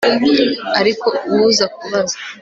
Ariko uwuza kubaza